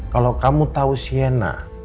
kalau kamu tau sienna